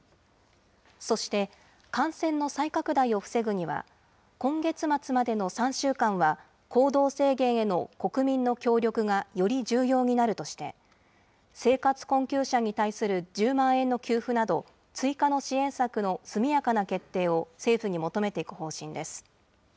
そして、感染の再拡大を防ぐには、今月末までの３週間は、行動制限への国民の協力がより重要になるとして、生活困窮者に対する１０万円の給付など、追加の支援策の速やかな決定を政府に求めていく方針です。